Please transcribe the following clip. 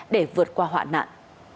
để vượt qua hoạn nạn